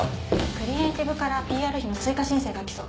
クリエイティブからＰＲ費の追加申請が来そう。